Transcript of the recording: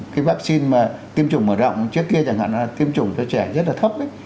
cái vaccine mà tiêm chủng mở rộng trước kia chẳng hạn là tiêm chủng cho trẻ rất là thấp